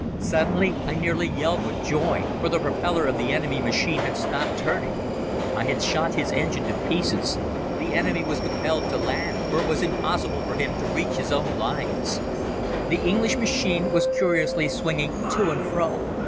Suddenly, I nearly yelled with joy for the propeller of the enemy machine had stopped turning. I had shot his engine to pieces; the enemy was compelled to land, for it was impossible for him to reach his own lines. The English machine was curiously swinging to and fro.